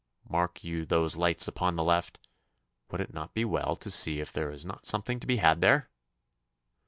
Mark you those lights upon the left! Would it not be well to see if there is not something to be had there?